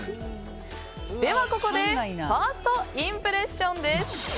ではここでファーストインプレッションです。